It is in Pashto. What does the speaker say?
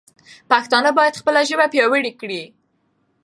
پښتانه باید خپله ژبه پیاوړې کړي.